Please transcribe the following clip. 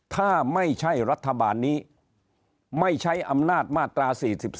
ถ้าไม่ใช่รัฐบาลนี้ไม่ใช้อำนาจมาตรา๔๔